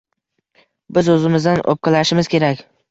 Biz o`zimizdan o`pkalashimiz kerak